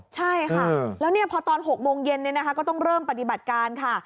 ใช่ค่ะแล้วพอตอน๖โมงเย็นก็ต้องเริ่มปฏิบัติการค่ะ